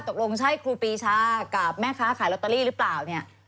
ตกลงใช่ครูปีชากับแม่ค้าขายลอตเตอรี่หรือเปล่าเนี่ย